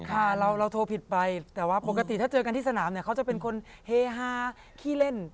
ค่ะเราโทรผิดไปแต่ว่าปกติถ้าเจอกันที่สนามเนี่ยเขาจะเป็นคนเฮฮาขี้เล่น